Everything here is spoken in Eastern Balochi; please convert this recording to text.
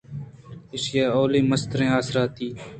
ایشی ءِ اولی مستریں آسراتی